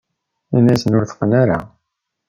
inna-asen: Ur t-neqq ara!